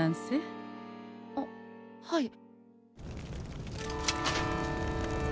あっはい。